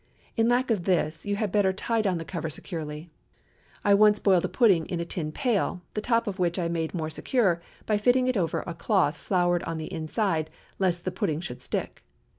In lack of this, you had better tie down the cover securely. I once boiled a pudding in a tin pail, the top of which I made more secure by fitting it over a cloth floured on the inside, lest the pudding should stick.